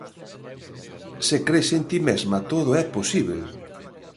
Se cres en ti mesma, todo é posíbel.